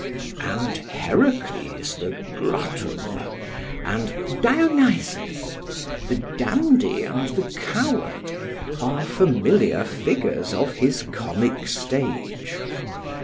] and Heracles the glutton, and Dionysus, the dandy and the coward, are familiar figures of his comic stage.